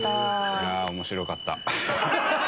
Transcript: いや面白かった。